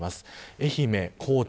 愛媛、高知